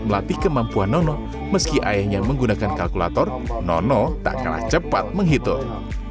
dan melatih kemampuan nono meski ayahnya menggunakan kalkulator nono tak kalah cepat menghitung